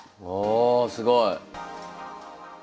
あすごい。